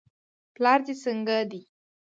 پلار دې څنګه دی.